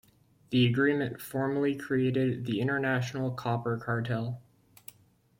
The agreement formally created the International Copper Cartel.